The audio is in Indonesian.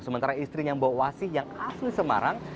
sementara istrinya mbok wasih yang asli semarang